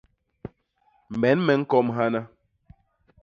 Men me ñkom hana!